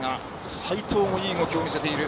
齋藤がいい動きを見せています。